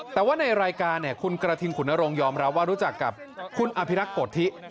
แต่ว่าในรายการคุณกระทิงขุนนรงค์ยอมรับว่ารู้จักกับคุณอภิรักษ์โกธิ